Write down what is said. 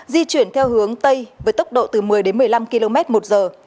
di chuyển theo hướng tây với tốc độ từ một mươi đến một mươi năm km một giờ